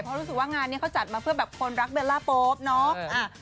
เพราะรู้สึกว่างานนี้เขาจัดมาเพื่อแบบคนรักเบลล่าโป๊ปเนาะ